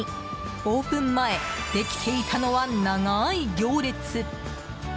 オープン前できていたのは長い行列。